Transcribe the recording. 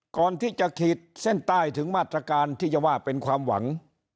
ก่อนที่จะขีดเส้นใต้ถึงมาตรการที่จะว่าเป็นความหวัง